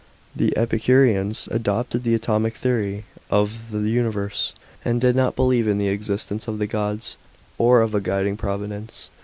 The Epicureans adopted the atomic theory of the universe, and did not believe in the existence of the gods or of a guiding providence.